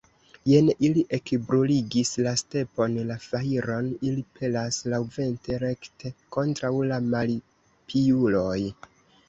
Jen ili ekbruligis la stepon, la fajron ili pelas laŭvente rekte kontraŭ la malpiuloj!